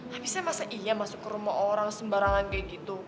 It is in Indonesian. habisnya masa iya masuk ke rumah orang sembarangan kayak gitu